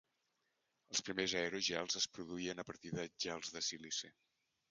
Els primers aerogels es produïen a partir de gels de sílice.